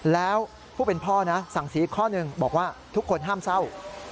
แล้วผู้เป็นพ่อนะสั่งสีข้อหนึ่งบอกว่าทุกคนห้ามเศร้า